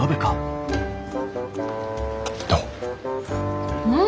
どう？